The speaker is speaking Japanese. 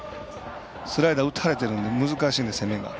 スライダー打たれてるんで難しいんで、攻めが。